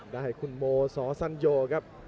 ได้คุณโบสอสัญโยครับ